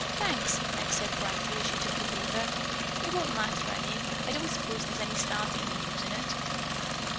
"Thanks." Meg said brightly, as she took the paper. "It won't matter any. I don't suppose there's any startling news in it."